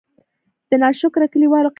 د نا شکره کلي والو قيصه :